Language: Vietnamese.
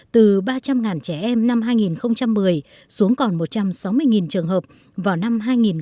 từ ba trăm linh trẻ em năm hai nghìn một mươi xuống còn một trăm sáu mươi trường hợp vào năm hai nghìn một mươi